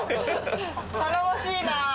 頼もしいなあ！